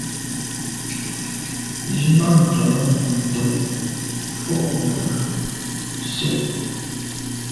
Nzwimàntô nèn ndo’ fotmbwe se.